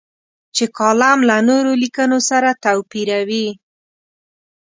چې کالم له نورو لیکنو سره توپیروي.